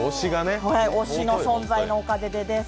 推しの存在のおかげで。